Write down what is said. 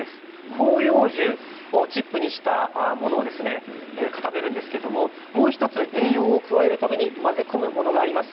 広葉樹をチップにしたものを固めるんですけれどももう１つ栄養を加えるために混ぜ込むものがあります。